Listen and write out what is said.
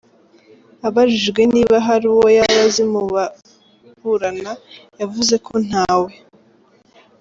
Abajijwe niba hari uwo yaba azi mu baburana yavuze ko ntawe.